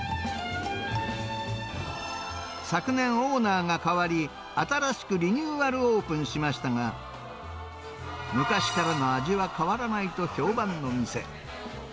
昨年、オーナーが代わり、新しくリニューアルオープンしましたが、昔からの味は変わらないと評判の店。